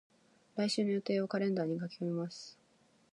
来週の予定をカレンダーに書き込みます。